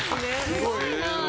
すごいな。